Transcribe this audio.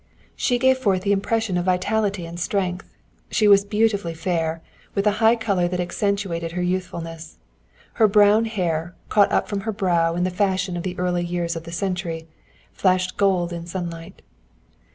She gave forth the impression of vitality and strength. She was beautifully fair, with a high color that accentuated her youthfulness. Her brown hair, caught up from her brow in the fashion of the early years of the century, flashed gold in sunlight.